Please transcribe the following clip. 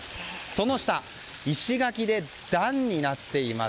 その下、石垣で段になっています。